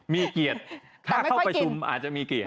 มีเกียรติถ้าเข้าประชุมอาจจะมีเกียรติ